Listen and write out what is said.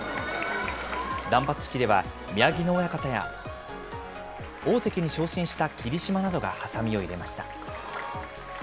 断髪式では宮城野親方や、大関に昇進した霧島などがはさみを入れました。